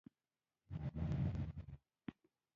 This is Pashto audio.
هغه پېښور ته ورسېدی.